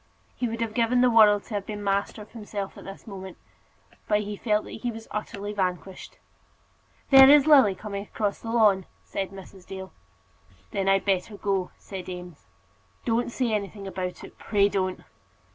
He would have given the world to have been master of himself at this moment, but he felt that he was utterly vanquished. "There is Lily coming across the lawn," said Mrs. Dale. "Then I'd better go," said Eames. "Don't say anything about it; pray don't."